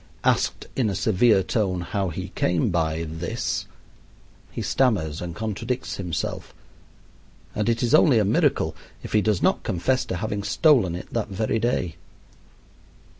Asked in a severe tone how he came by "this," he stammers and contradicts himself, and it is only a miracle if he does not confess to having stolen it that very day.